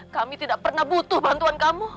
kami tidak pernah butuh bantuan kamu